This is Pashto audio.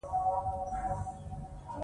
یاقوت د افغانستان د اقلیم ځانګړتیا ده.